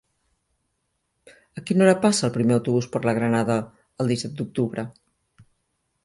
A quina hora passa el primer autobús per la Granada el disset d'octubre?